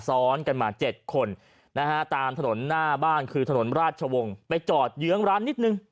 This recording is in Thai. ซ้อนกันมา๗คนนะฮะตามถนนหน้าบ้านคือถนนราชวงศ์ไปจอดเยื้องร้านนิดนึง